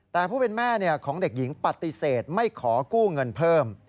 แต่ผู้เป็นแม่ของเด็กหญิงปฏิเสธไม่ขอกู้เงินเพิ่ม